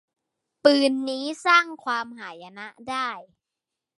ปืนนี้สร้างความหายนะได้